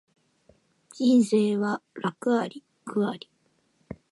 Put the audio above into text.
人生は楽あり苦あり